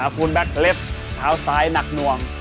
ฟูลแบคเล็กขาวซ้ายหนักหน่วง